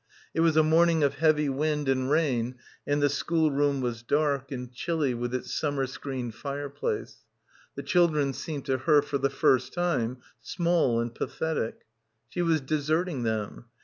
It was a morning of heavy wind and rain and the schoolroom was dark, and chilly with its summer screened fireplace. The children seemed to her for the first time small and pathetic. She was deserting them.